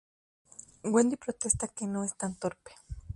Wendy protesta que no es tan torpe.